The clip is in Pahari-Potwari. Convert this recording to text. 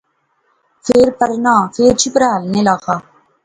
فیر پرنا، فیر چھپرا ہلنے لاغا